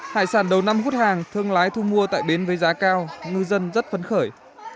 hải sản đầu năm hút hàng thương lái thu mua tại bến với giá cao ngư dân rất phấn khởi